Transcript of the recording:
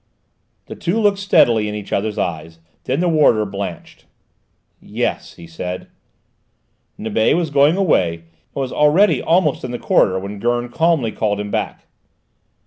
The two looked steadily in each other's eyes; then the warder blenched. "Yes," he said. Nibet was going away, and was already almost in the corridor when Gurn calmly called him back.